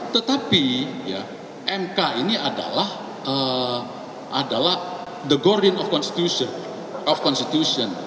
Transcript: tetapi ya mk ini adalah the guardian of constitution